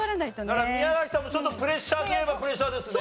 だから宮崎さんもちょっとプレッシャーといえばプレッシャーですね。